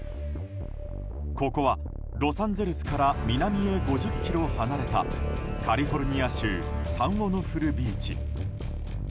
ここはロサンゼルスから南へ５０ｋｍ離れたカリフォルニア州サンオノフルビーチ。